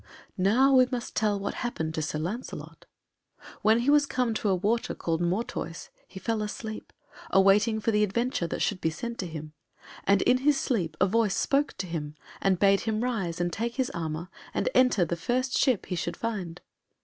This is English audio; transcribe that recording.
Now we must tell what happened to Sir Lancelot. When he was come to a water called Mortoise he fell asleep, awaiting for the adventure that should be sent to him, and in his sleep a voice spoke to him, and bade him rise and take his armour, and enter the first ship he should find.